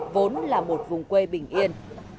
vốn là một vùng quê bình yên